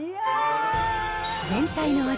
全体の味